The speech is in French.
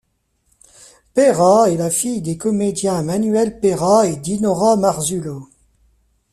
Pêra est la fille des comédiens Manuel Péra et Dinorah Marzullo.